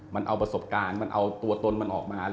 มันเอาประสบการณ์มันเอาตัวตนมันออกมา